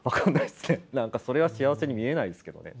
何かそれは幸せに見えないですけどね。